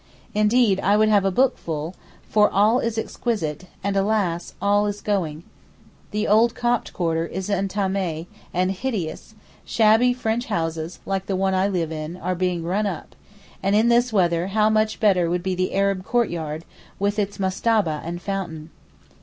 Indeed, I would have a book full, for all is exquisite, and alas, all is going. The old Copt quarter is entamé, and hideous, shabby French houses, like the one I live in, are being run up; and in this weather how much better would be the Arab courtyard, with its mastabah and fountain!